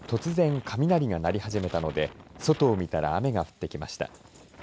動画を撮影した男性は突然、雷が鳴り始めたので外を見たら雨が降ってきました。